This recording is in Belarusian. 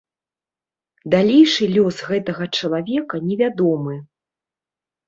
Далейшы лёс гэтага чалавека невядомы.